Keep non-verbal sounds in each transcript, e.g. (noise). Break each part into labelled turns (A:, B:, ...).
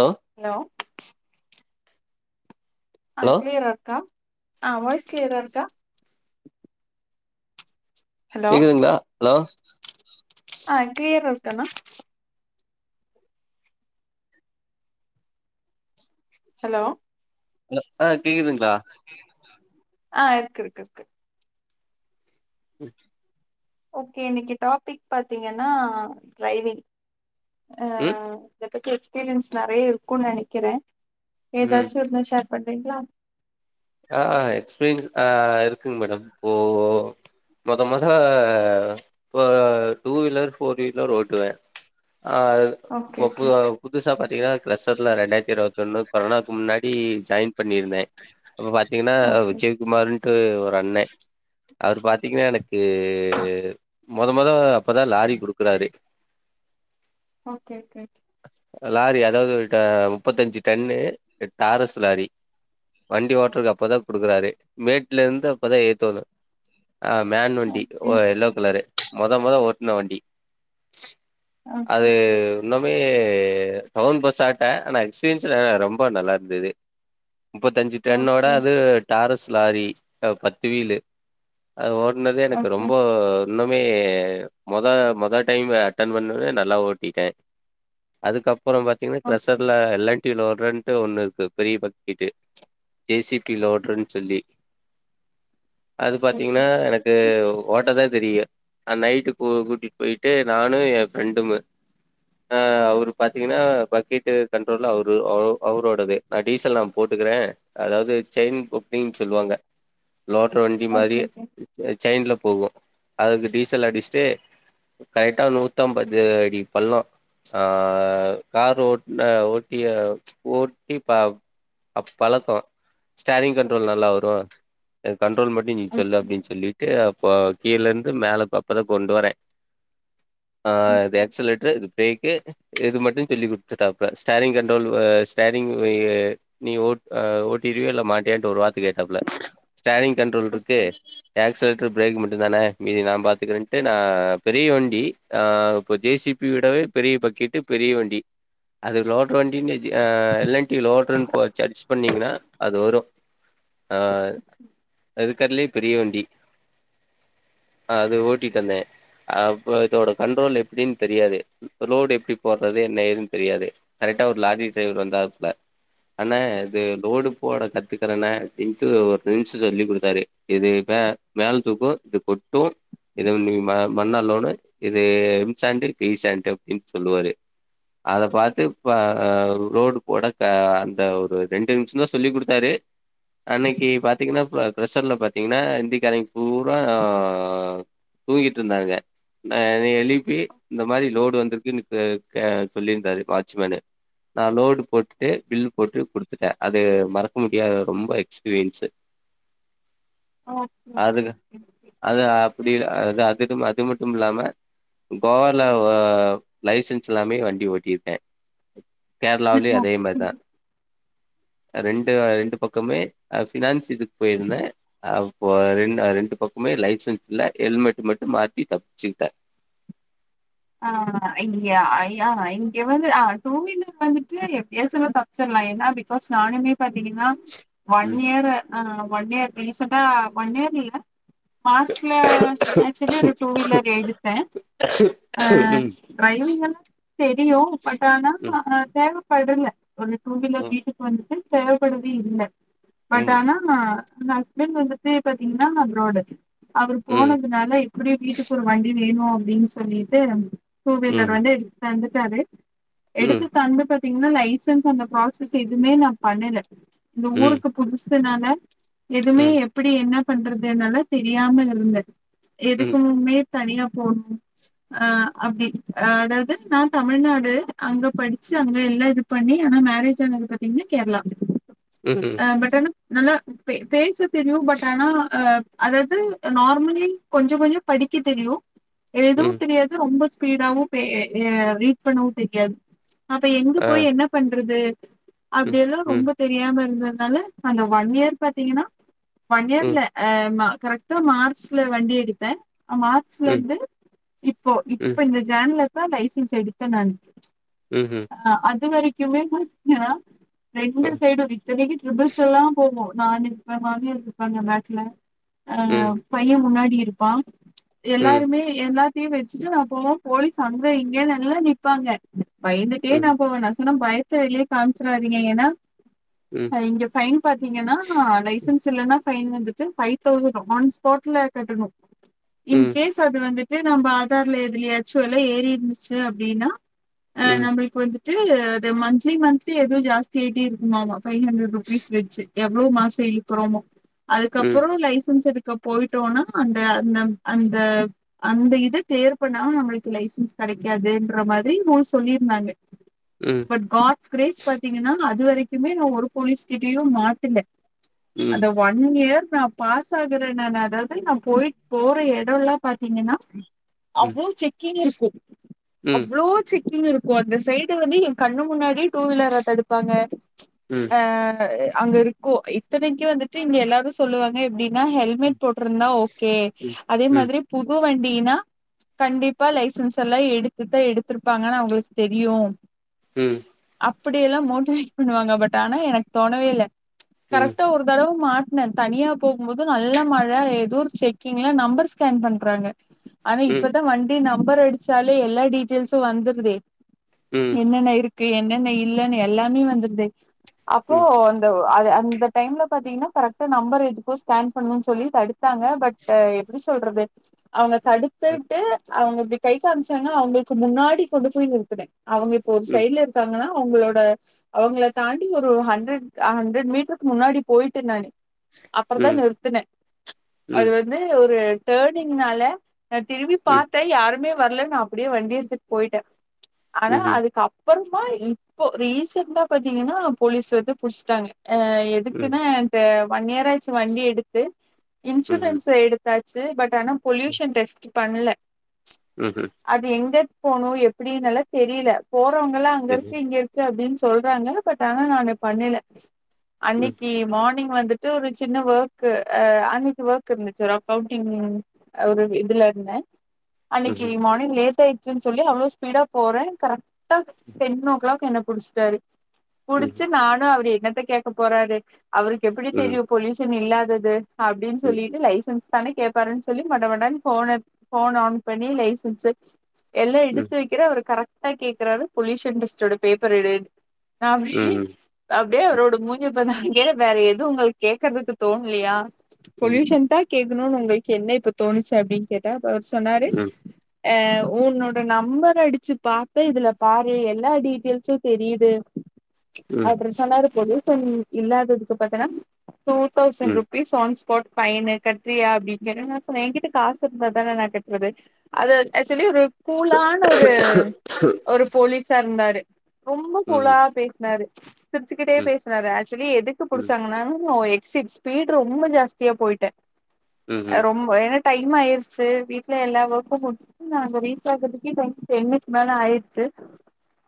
A: hello
B: hello ஆ
A: hello
B: கிளியரா இருக்கா ஆ வாய்ஸ் கிளியரா இருக்கா ஹலோ
A: கேக்குதுங்களா ஹலோ
B: ஆ கிளியரா இருக்கானா ஹலோ
A: ஹலோ ஆ கேக்குதுங்ளா
B: ஆ இர்க் இர்க் இர்க்கு
A: ம்
B: ஓகே இன்னைக்கு டாபிக் பாத்தீங்கனா டிரைவிங்
A: ம்
B: அ எக்ஸ்பீரியன்ஸ் நெறைய இருக்குன் நெனைக்கிற
A: ம்
B: ஏதாச்சி ஒன்னு ஷேர் பண்றீங்ளா
A: ஆ எக்ஸ்பீரியன்ஸ் ஆ இருக்குங் மேடம் போ மொத மொத இப்ப அ டூ வீலர் ஃபோர் வீலர் ஓட்டுவ ஆ
B: ஓகே
A: இப்ப
B: ஓகே
A: புது (unintelligible) புதுசா பாத்தீங்கனா கிளஸ்டர்ல ரெண்டாயிர்த்தி இருவத்தொன்னு கொரனாக்கு முன்னாடி ஜாயின் பண்ணிருந்தே அப்ப பாத்தீங்கனா
B: ஓகே
A: விஜய் குமார்ன்ட்டு ஒரு அண்ண அவர் பாத்தீங்கனா எனக்கு மொத மொத அப்பதா லாரி குடுக்குறாரு
B: ஓகே ஓகே
A: லாரி அதாவது ட முப்பத்தஞ்சி டன்னு டாரஸ் லாரி வண்டி ஓட்டர்க்கு அப்பதா குடுக்கறாரே மேட்லருந்து அப்பதா எய்த் வந்த ஆ மேன் வண்டி ஒ எல்லோ கலரு மொத மொத ஓட்ன வண்டி
B: ஓகே ஓகே
A: அது உன்னு மே டவுன் பஸ் ஆட்ட ஆனா எக்ஸ்பீரியன்ஸ் ர ரொம்ப நல்லா இருந்தது முப்பத்தஞ்சி டன் அவர்
B: ஓகே ஓகே
A: து டாரஸ் லாரி பத்து வீலு அது ஓட்னதே எனக்கு ரொம்போ
B: ஓகே
A: உன்னமே மொத மொத டைமு அட்டன் பண்ணவே நல்லா ஓட்டிட்ட அதுக்கப்றோ பாத்தீங்கனா
B: ஓகே
A: க்ரெஷர்ல எல்லன்டில வோறன்ட்டு ஒண்ணு இருக்கு பெரிய பக்கிட்டு ஜே சி பி ல ஓட்ரன் சொல்லி அது பாத்தீங்கனா எனக் கு ஓட்டதா தெரியு அ நைட்டுக்கு கூட்டிட் போய்ட்டு நானு எ ஃப்ரெண்டுமு ஆ அவரு பாத்தீங்கனா பக்கெட்டு கண்ட்ரோலு அவரு அவு அவரோடது நா டீசல் நா போட்டுக்கறே அதாவது செயின் புக்கிங் சொல்லுவாங்க லோட்ரு வண்டி
B: ஓகே
A: மாரி
B: ஓகே ஓகே
A: ச சைன்ல போகு அதுக்கு டீசல் அடிச்ட்டு கரெக்டா நூத்தம்பது அடி பள்ளோ ஆ காரு ஓட்ன ஓட்டிய ஓட்டி பா அப் பழக்கோ ஸ்டரிங் கண்ட்ரோல் நல்லா வரு கண்ட்ரோல் மட்டு நீ சொல்லு அப்டின் சொல்லிட்டு அப் இப்ப கீழருந்து மேல அப்பதா கொண்டு வரே ஆ இது எக்சலேட்டரு இது பேக்கு இது மட்டு சொல்லி குடுத்துட்டாப்ல ஸ்டாரிங் கண்ட்ரோல் வ ஸ்டாரிங் நீஓட் வ ஓட் இருவியா இல்ல மாட்டியான்ட்டு ஒரு வார்த்த கேட்டாப்ல ஸ்டாரிங் கண்ட்ரோல் இருக்கு ஆக்சலேட்டர் பிரேக் மட்டு தான மீதி நா பாத்துக்குறன்ட்டு நா பெரிய வண்டி அ இப்போ ஜேசி பி விடவே பெரிய பக்கெட்டு பெரிய வண்டி அது லோட்ரு வண்டின் அ எல்லண்டி லோட்ரு போட் சர்ச் பண்ணீங்கனா வரு ஆ இருக்கர்துலயே பெரிய வண்டி ஆ அது ஓட்டிட் இருந்த அப்ப இதோட கண்ட்ரோல் எப்டின் தெரியாது ரோடு எப்படி போடுறது என்ன ஏதுன்னு தெரியாது கரெக்டா ஒரு லாரி டிரைவர் வந்தாப்ல ஆனா இது லோடு போட கத்துக்கறன்ன அப்படின்ட்டு ஒரு ரின்ச்சு சொல்லி குடுத்தாரு இது மேல தூக்கு இது கொட்டு இது வந்து மண்ணால் லோடு இது எம் சாண்டு பி சாண்டு அப்டின் சொல்லுவாரு அத பாத்து இப்ப ரோடு போட க அந்த ஒரு ரெண்டு நிமிஷ தா சொல்லி் குடுத்தாரு அன்னைக்கு பாத்தீங்கனா ஃபுல்லா ஃப்ரஷர்ல பாத்தீங்கனா இந்திகாரங்க பூரா தூங்கிட்ருந்தாங்க ந என எழுப்பி இந்த மாரி லோடு வந்திருக்குன் கு க சொல்லிருக்காரு வாட்ச்மேனு நான் லோடு போட்டுட்டு பில் போட்டு குடுத்துட்டேன் அது மறக்க முடியாத ரொம்ப எக்ஸ்பீரியன்ஸ்ஸு
B: ஓகே ஓகே
A: அதுல அது அப்படி அது அது அது மட்டும் இல்லாம கோவால லைசன்ஸ் இல்லாமயே வண்டி ஓட்டிருக்க கேரளாவ்லயு அதே
B: ஓகே
A: மாரிதா ரெண்டு ரெண்டு பக்கமே பினான்ஸ் இதுக்கு போயிருந்த அப்ப ரெ ரெண்டு பக்கமே லைசன்ஸ் இல்ல ஹெல்மெட் மட்டு மாட்டி தப்ச்சிட்ட
B: ஆ இங்க ய இங்க வந்து ஆ டூ வீலர் வந்துட்டு எப்டியா சொல்ல சார் நா ஏன்னா பிகாஸ் நானுமே பாத்தீங்கனா ஒன்
A: ம்
B: இயர் ஆ ஒன் இயர் ரீசன்டா ஒன் இயர் இல்ல மார்ச்ல ஆக்சுவலி ஒரு டூ வீலர் எடுத்த
A: அ
B: ஆ ட்ரைவிங் எல்லா தெரியு பட் ஆனா
A: ம்
B: தேவப்படல இப்ப அந்த டூ வீலர் வீட்டுக் வந்துட்டு தேவப்படவே இல்ல பட்
A: ம் ம்
B: ஆனா ஆ ந ஹஸ்பண்ட் வந்துட்டு பாத்தீங்கனா அப்ராடு அவர்
A: ம்
B: போனதுனால இப் அப்டியே வீட்டுக்கு ஒரு வண்டி வேணு அப்டின் சொல்லிட்டு டூ வீலர்
A: ம்
B: வந்து தந்துட்டாரு
A: ம்
B: எடுத்து தந்து பாத்தீங்கனா லைசன்ஸ் அந்த ப்ராசஸ் எதுமே நா பண்ணல இந்த
A: ம்
B: ஊருக்கு புதுசுனால எதுமே எப்படி என்ன பண்றதுனால தெரியாம இருந்த
A: ம்
B: எதுக்குமே தனியா போணு ஆ அப்டி அதாவது நா தமிழ்நாடு அங்க படிச்சு அங்க எல்லா இது பண்ணி ஆனா மேரேஜ் ஆனது பாத்தீங்னா கேரளா
A: ம்
B: ஆ பட் ஆனா நல்லா பேச தெரியு பட் ஆனா அ அதாவது நார்மலி கொஞ்சோ கொஞ்சோ படிக்க தெரியு எதுவு
A: ம்
B: தெரியாது ரொம்ப ஸ்பீடாவு பே எ ரீட் பண்ணவு தெரியாது அப்ப எங்க
A: ஆ
B: போய் என்ன பண்றது
A: ம்
B: அப்படியெல்லாம்
A: ம்
B: ரொம்ப தெரியாம இருந்ததுனால அந்த ஒன் இயர் பாத்தீங்கன்னா ஒன்
A: ம்
B: இயர்ல ஆ கரெக்ட்டா மார்ச்ல வண்டி எடுத்தன் மார்ச்ல
A: ம்
B: இருந்து இப்போ இப்ப
A: ம்
B: இந்த ஜேன்ல தா லைசன்ஸ் எடுத்த நானு
A: ம் ம்
B: ஆ அது வரிக்குமே (unintelligible) ரெண்டு சைடும் இத்தனைக்கு ட்ரிபிள்ஸ் எல்லா போவோ நானு இருப்ப மாமியார் இருப்பாங்க பேக்குல ஆ
A: ம்
B: பையன் முன்னாடி இருப்பான்
A: ம் ம்
B: எல்லாருமே எல்லா வெச்சுட்டு அப்போம் போலிஸ் அங்க இங்கனு எல்லாம் நிப்பாங்க பயந்துட்டே நா
A: ம்
B: போவேன் நா சொன்ன பயத்த வெளிய காமிச்சிறாதீங்க ஏனா
A: ம்
B: இங்க ஃபைன் பாத்தீங்கன்னா லைசன்ஸ் இல்லைனா ஃபைன் வந்துவிட்டு ஃபை தௌசண்ட் ஆன் ஸ்பாட்ல கட்டணும் (unintelligible)
A: ம் ம் ம் ம் ம் ம் ம்
B: இன்கேஸ் அது வந்துட்டு நம்ம ஆதார்ல எதுலயாச்சும் எல்ல ஏறி இருந்துச்சு அப்படின்னா ஆ
A: ம்
B: நம்மளுக்கு வந்துட்டு அது மந்த்லி மந்த்லி எதோ ஜாஸ்தி ஆயிட்டே இருக்குமாம பைவ் ஹண்ட்ரட் ருபீஸ் வெச்சு எவ்வளவு மாசம் இருக்கிறோமோ அதுக்கப்புறம் லைசன்ஸ் எடுக்கப் போயிட்டோனா அந்த அந்த அந்த அந்த இதை கிளியர் பண்ணாமா நம்மளுக்கு லைசன்ஸ் கிடைக்காதுன்ற மாதிரி ரூல் சொல்லியிருந்தாங்க (unintelligible)
A: ம்
B: காட்ஸ் கிரேஸ் பாத்தீங்கன்னா அது வரைக்குமே நா ஒரு போலீஸ்கிட்டையும் மாட்டல அந்த ஒன் இயர் நா பாஸ் ஆகுறேன் நான் அதாவது நா போயிட்டு போற இடமல்லாம் பாத்தீங்கன்னா அவ்வளோ செக்கிங் இருக்கும் அவ்ளோ செக்கிங் இருக்கு கும் அந்த சைடு வந்து என் கண்ணு முன்னாடி டூ வீலர தடுப்பாங்க அ அங்க இருக்கோ இத்தனைக்கு வந்துட்டு இங்க எல்லாரும் சொல்லுவாங்க எப்படின்னா ஹெல்மெட் போட்ருந்தா ஓ ஓகே அதே மாதிரி புது வண்டின்னா கண்டிப்பா லைசன்ஸ் எல்லாம் எடுத்துதா எடுத்திருப்பாங்கன்னு அவங்களுக்கு தெரியும்
A: ம்
B: அப்படிய எல்லாம் மோட்டிவேட் பண்ணுவாங்க பட் ஆனா எனக்கு தோணவே இல்ல கரெக்டா ஒரு தடவ மாட் ட்னேன் தனியா போகும்போது நல்ல மழ ஏதோ ஒரு செக்கிங்ல நம்பர் ஸ்கேன் பண்றாங்க ஆனா இப்பதான் வண்டி நம்பர் அடிச்சாலே எல்லா டீட்டெயில்ஸும் வந்துருதே
A: ம் ம்
B: என்னென்ன இருக்கு என்னென்ன இல்லலைன்னு எல்லாமே வந்துருது
A: ம்
B: அப்போ
A: ம்
B: அது அந்த டைம்ல பாத்தீங்கன்னா கரெக்டா நம்பர் எதுகோ ஸ்கேன் பண்ணும்னு சொல்லி தடுத்தாங்க பட் ஆ எப்டி சொல்றது அவங்க
A: ம்
B: தடுத்துட்டு அவங்க கை காமிச்சாங்க அவங்களுக்கு முன்னாடி கொண்டு போய் நிறுத்துனே அவங்க இப்ப ஒரு
A: ம்
B: சைட்ல இருக்காங்கன்னா அவங்களோட அவங்கள தாண்டி ஒரு ஹண்ட்ரட் ஹண்ட்ரட் மீட்டருக்கு முன்னாடி போயிட்டே நானு அப்பறதான்
A: ம்
B: நிறுத்துனேன் அது
A: ம்
B: வந்து ஒரு டர்னிங்னால நா திரும்பி
A: ம்
B: பாத்தேன் யாருமே வரல நா அப்படியே வண்டி எடுத்துட்டு போயிட்டேன் ஆனா
A: ம்ஹ்ம்
B: அதுக்கப் அப்பறமா இப்போ ரீசண்டா பாத்தீங்கன்னா போலீஸ் வந்து புடிச்ட்டாங்க அ எதுக்குன்ன
A: ம்
B: ஒன் இயர் ஆச்சு வண்டி எடுத்து இன்சூரன்ஸ் எடுத்தாச்சு பட் னா பொல்யூஷன் டெஸ்ட் பண்ணல
A: ம் ம்
B: அது எங்க போணும் எப்படின்னுல்ல தெரியல போறவங்கல்லாம் அங்க
A: சரி
B: இருக்கு இங்க இரு அப்படின்னு சொல்றாங்க பட் ஆனா நானு பண்ணல
A: ம்
B: அன்னைக்கு மார்னிங் வந்து ஒரு சின்ன ஒர்க் அன்னைக்கு ஒர்க் இருந்துச்சு ஒரு அக்கௌண்டிங் ஒரு இதுல இருந்த அன்னைக்கு
A: ம்ஹ்ம் ம் ம் ம் ம்
B: மானிங் லேட் ஆய் ச்சின் சொல்லி அவ்வளோ ஸ்பீடா போற கரெக்டா டென் ஓ க்ளாக் என்ன புடிச்சிட்டாரு
A: ம்ஹ்ம் ம்
B: புடிச்சு நானு அவரு என்னத்த கேக்க போறாரு அவருக்கு எப்படி தெரியு
A: ம் ம்
B: பொல்யூஷன் இல்லாதது அப்டின் சொல்லிட்டு லைசன்ஸ் தான கேப்பாருன் சொல்லி மடமடன் ஃபோன ஃபோன ஆன் பண்ணி லைஸ்சன்ஸ் எல்லா எடுத்து வைக்கிற அவர் கரக்ட் டா கேக்குறாரு பொல்யூஷன் டெஸ்டோட பேப்பர் எடுன் நா அப்டியே அப்டியே அவரோட மூஞ்ச பாத் கே வேற எதுவு உங்களுக்கு கேக்குறதுக்கு தோண்லையா பொல்யூஷன் தா கேக்கணுன் உங்களுக்கு என்ன இப்ப தோணுச்சு அப்டின்னு கேட்டா அப்ப அவரு சொன்னாரு அ உன்னோட நம்பர அடிச்சு பாத்த இதுல பாரு எல்லா டீட்டெல்ஸு‌ தெரியுது அப்றோ சொன்னாரு பொல்யூசன் இல்லாததுக்கு பாத்தன்னா two thousand rupees on spot fine கட்றியா அப்டி கடா சொன்ன எங்கிட்ட காசு இருந்தா தான நா கட்டுறது அது ஆக்சுவலி ஒரு கூலான ஒரு ஒரு போலீஸா இருந்தாரு ரொம்ப கூலா பேஸ்னாரு சிரிச்சுக்கிட்டே பேசுனாரு ஆக்சுவலி எதுக்கு புடிச்சாங்கன்னா நா எக்சிட் ஸ்பீடு ரொம்ப ஜாஸ்தியா போய்ட்ட
A: ம்
B: அ ரொம் ஏனா டைம் ஆய்ருச்சு வீட்ல எல்லா ஓர்க்கு முடிச்சு நா அங்க ரீச் ஆகறதுக்கே டைம் டென்னுக்கு மேல ஆயிட்ச்சு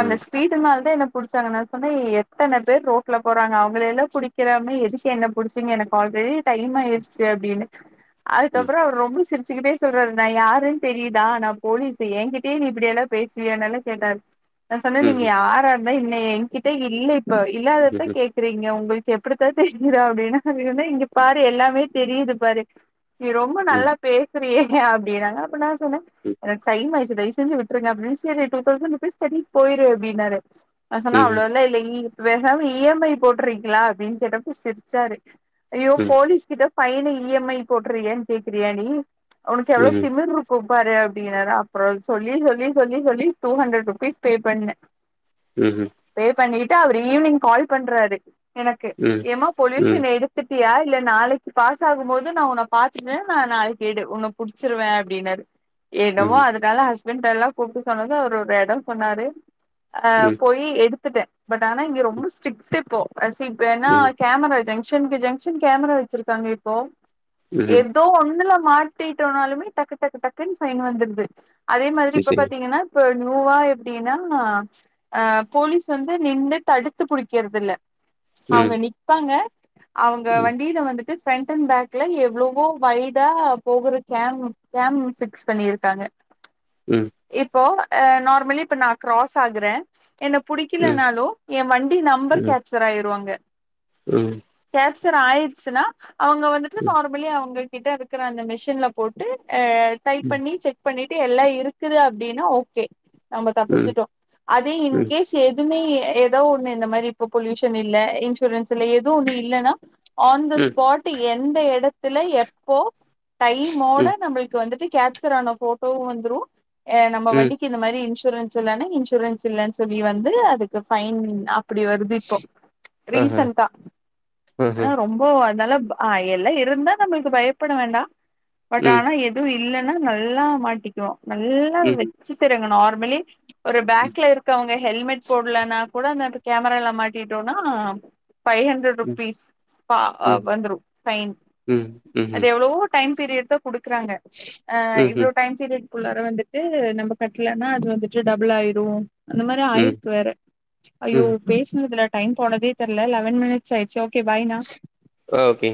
B: அந்த ஸ்பீடுனால தா என்ன புடிச்சாங்கா நா சொன்ன எத்தன பேர் ரோட்ல போறாங்க அவங்கள எல்லாம் புடி க்காம எதுக்கு என்ன புடிச்சிங்க எனக்கு ஆல்ரெடி டைம் ஆய்டுச்சு அப்டின்னு அதுக்கப்புறோ அவரு ரொம்ப சிரி சிக்கிட்டே சொல்றாரு நா யாருன் தெரிதா நா போலீசு என்கிட்டயே நீ இப்படியெல்லா பேசுவியானல்லா கேட்டாரு நா சொன்ன நீங்க யாரா இருந்தா என்ன எங்கிட்ட இல்ல இப்ப
A: ம் ம் ம் ம்ஹ்ம் ம் ம் ம்ஹ்ம் ம்ஹ்ம் ம் ம் ம்ஹ்ம்
B: இல்லாதப்பா கேட் இருக்கீங்க உங்களுக்கு எப்படித்தான் தெரியுற அப்டின்னா வேனுனா இங்க பாரு எல்லாமே தெரியுது பாரு நீ
A: ம்
B: ரொம்ப நல்லா பேசுறியே அப்டின்னாங்க அப்ப நா சொன்ன எனக்கு டைம் ஆய்ச்சு தயவு செஞ்சு விட் விட்ருங்க அப்படின் சேரி டூ தௌசண்ட் ருபீஸ் கட்டிட் போய்ரு அப்டின்னாரு நா சொன்ன
A: ம்ஹ்ம் ம்ஹ்ம்
B: அவ்ளலா இல்ல இ பேசாம இ எம் ஐ போட்டுறீங்களா அப்டின் கேட்டப்ப சிரிச்சாரு ஐயோ
A: ம் ம்
B: போலீஸ் கிட்ட ஃபைன இ எம் ஐ போட்டுறீியு கேக்குறியா நீ உனுக்கு எவ்வளோ திமிர் கூப்பாரு அப்படின்னாரா அப்பறோ சொல்லி சொல்லி சொல்லி சொல்லி டூ ஹண்ட்ரட் ருபீஸ் பே பண்ண
A: ம் ம்
B: பே பண்ணிட்டு அவரு ஈவ்னிங் கால் பண்றாரு எனக்கு ஏமா பொல்யூஷன் எது துட்டியா இல்ல நாளைக்கு பாஸ் ஆகும் போது நா உன்ன பாத்துகுற நா நாளை கேடு உன்ன புடிச்சிருவ அப்படின்னாரு என்னமோ
A: ம்ஹ்ம் ம்
B: அது அதால ஹஸ்பண்ட எல்லா கூப்ட்டு சொன்னது அவரு ஒரு எடோ சொன்னாரு அ போயி எடுத்துட்ட பட் ஆனா இங்க ரொம்ப ஸ்ரிக்ட்டு இப்போ சீ இப்பனா
A: ம்
B: camera junction to junction camera வச்சிருக்காங்க இப்போ
A: ம்ஹ்ம்
B: ஏதோ ஒண்ணுல மாட்டிட்டோனாலுமே டக்கு டக்கு டக்குன்னு ஃபைன் வந்துடுது அதே மாதிரி
A: சரி
B: இப்ப
A: சரி
B: பாத்தீங்கன்னா இப்ப நியூவா எப்டின்னா அ போலீஸ் வந்து நின்னு தடுத்து புடிக்கறது இல்ல அவங்க
A: ம்
B: நிப்பாங்க அவங்க
A: ம்
B: வண்டில வந்துட்டு பிஃரண்ட் அண்ட் பேக்ல எவ்ளோ இப்போ வய்டா போகற கேம் கேம்ப் பிக்ஸ் பண்ணிருக்காங்க
A: ம்
B: இப்போ அ நார்மலி இப்ப நா க்ராஸ் ஆகுற என்ன
A: ம்
B: புடிக்கலனாலோ எ வண்டி நம்பர்
A: ம்
B: கப்சர் ஆயிரு அங்க
A: ம்
B: கப்சர் ஆய்டுச்சுன்னா அவங்க வந்துட்டு நார்மலி அவங் உங்க கிட்ட இருக்குற அந்த மிஷின்ல போட்டு அ டைப் பண்ணி செக் பண்ணிட்டு எல்லாம் இருக்குது அப்படின்னா ஓகே நம்ம தப்பிச்சுட்டோம் அதே இன்கேஸ் எது எதுவுமே ஏதோ ஒண்ணு இந்த மாரி இப்ப பொல்யூஷன் இல்ல இன்சூரன்ஸ் இல்ல எதோ ஒண்ணு இல்லன்னா ஆன் த
A: ம் ம்
B: ஸ்பாட் எந்த எடத்துல எப்போ டைமோட
A: ம்
B: நம்மளுக்கு வந்துட்டு கேப்சர் ஆன போட்டோ வந்துரும் அ நம்ம
A: ம்
B: வண்டிக்கு இந்த மாதிரி இன்சூரன்ஸ் இல்லனா இன்சூரன்ஸ் இல்லன்னு சொல்லி வந்து அதுக்கு ஃபைன் அப் அப்படி வருது இப்போ
A: ஆஹ
B: ரீசன்டா ஆனா
A: ஆஹ
B: ரொம்ப ப்ப அதனால அ எல்லா இருந்தா நம்மளுக்கு பயப்பட வேண்டாம் பட்
A: ம்
B: ஆனா எதுவும் இல்லன்னா நல்லா மாட்டிக்குவோம் நல்லா
A: ம்
B: வெச்சு செய்றங்க நார்மலி ஒரு பேக்ல இரு அவுங்க ஹெல்மெட் போடலன்னா கூட அந்த கேமரால மாட்டிட்டோம்னா ஃபைவ் ஹண்ட்ரட்
A: ம்
B: ருபீஸ் பா வந்துரும் ஃபைன்
A: உம்
B: அது எவ்வளவோ டைம் பீரியட் தான் குடுக்குறாங்க அ இவ்வளோ
A: ம்ஹ்ம்
B: டைம் பீரியட் குள்ளார வந்துட்டு நம்ம கட்டலனா அது வந்துட்டு டபுள் ஆயிடும் அந்த மாரி
A: ம்
B: ஆயிருக்கு வேற ஐயோ
A: ம்
B: பேசுனதுல டைம் போனதே தெர்ல லெவன் மினிட் ஸ் ஆய்டுச்சி ஓகே பாய்னா
A: ஆ ஓகே